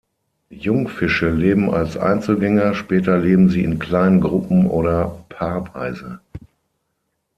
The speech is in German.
Jungfische leben als Einzelgänger, später leben sie in kleinen Gruppen oder paarweise.